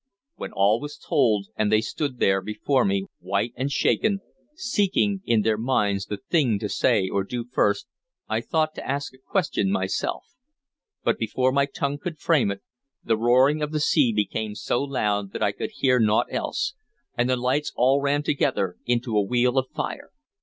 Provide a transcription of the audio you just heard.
When all was told, and they stood there before me, white and shaken, seeking in their minds the thing to say or do first, I thought to ask a question myself; but before my tongue could frame it, the roaring of the sea became so loud that I could hear naught else, and the lights all ran together into a wheel of fire.